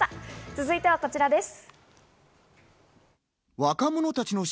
続いてはこちらです。